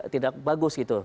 tidak bagus gitu